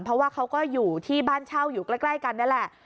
เพราะว่าเขาก็อยู่ที่บ้านเช่าอยู่ใกล้กันนี่แหละ